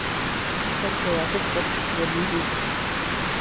Tento jazyk postupně mizí.